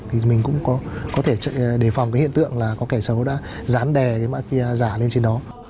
thì mình cũng có thể đề phòng cái hiện tượng là có kẻ xấu đã dán đè cái mã kia giả lên trên đó